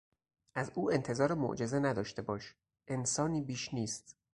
از او انتظار معجزه نداشته باش - انسانی بیش نیست!